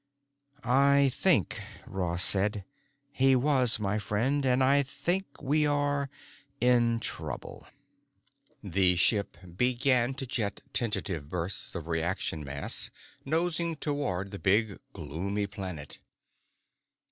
"I think," Ross said, "he was my friend. And I think we are—in trouble." The ship began to jet tentative bursts of reaction mass, nosing toward the big, gloomy planet.